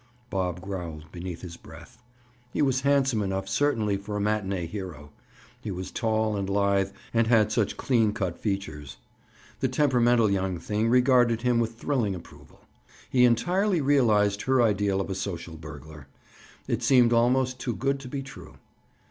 Bob growled beneath his breath. He was handsome enough certainly for a matinee hero. He was tall and lithe and had such clean cut features. The temperamental young thing regarded him with thrilling approval. He entirely realized her ideal of a social burglar. It seemed almost too good to be true.